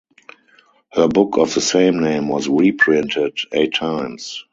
Her book of the same name was reprinted eight times.